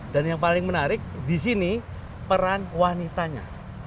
dan yang paling menarik di sini peran wanitanya